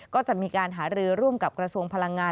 ก็จะมีการหารือร่วมกับกระทรวงพลังงาน